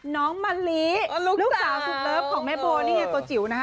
น้องมะลิลูกสาวสุดเลิฟของแม่โบนี่ไงตัวจิ๋วนะฮะ